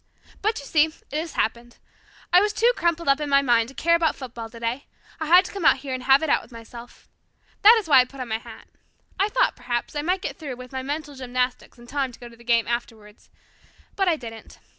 But you see it has happened. I was too crumpled up in my mind to care about football today. I had to come here and have it out with myself. That is why I put on my hat. I thought, perhaps, I might get through with my mental gymnastics in time to go to the game afterwards. But I didn't.